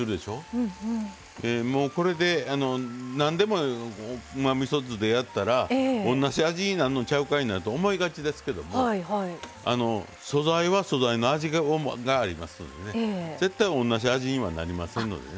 これで何でもうまみそ酢でやったら同じ味になんのちゃうかいなと思いがちですけども素材は素材の味がありますのでね絶対同じ味にはなりませんのでね。